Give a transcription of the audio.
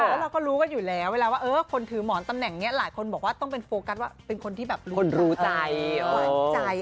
แล้วเราก็รู้กันอยู่แล้วเวลาว่าคนถือหมอนตำแหน่งนี้หลายคนบอกว่าต้องเป็นโฟกัสว่าเป็นคนที่แบบรู้คนรู้ใจหวานใจ